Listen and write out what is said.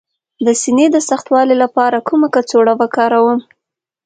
د سینې د سختوالي لپاره کومه کڅوړه وکاروم؟